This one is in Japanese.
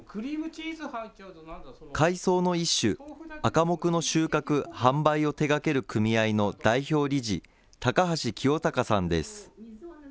海藻の一種、アカモクの収穫・販売を手がける組合の代表理事、高橋清隆さんです。